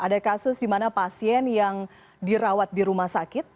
ada kasus dimana pasien yang dirawat di rumah sakit